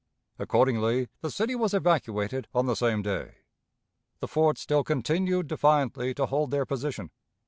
Accordingly, the city was evacuated on the same day. The forts still continued defiantly to hold their position.